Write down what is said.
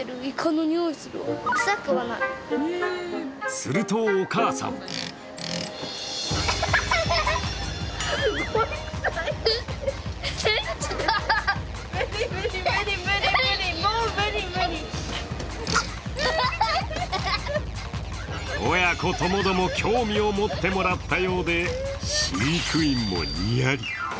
すると、お母さん親子ともども興味を持ってもらったようで飼育員もニヤリ。